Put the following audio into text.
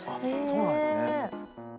そうなんですね。